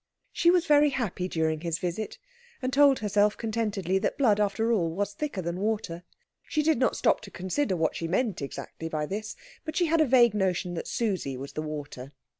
She was very happy during his visit, and told herself contentedly that blood, after all, was thicker than water. She did not stop to consider what she meant exactly by this, but she had a vague notion that Susie was the water.